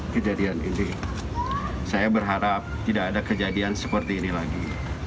kejadian ini saya berharap tidak ada kejadian seperti ini lagi